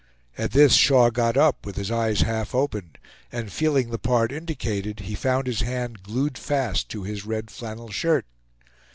At this Shaw got up, with his eyes half opened, and feeling the part indicated, he found his hand glued fast to his red flannel shirt.